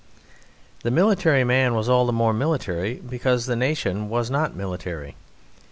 The military man was all the more military because the nation was not military.